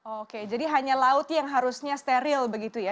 oke jadi hanya laut yang harusnya steril begitu ya